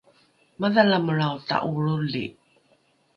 madhalamelrao ta’olroli